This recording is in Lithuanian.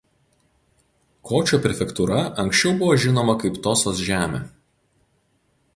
Kočio prefektūra anksčiau buvo žinoma kaip Tosos žemė.